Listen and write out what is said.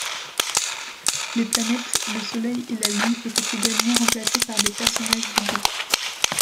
Les planètes, le Soleil et la Lune étaient également remplacés par des personnages bibliques.